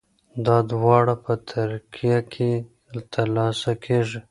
دا دواړه په ترکیه کې ترلاسه کیږي.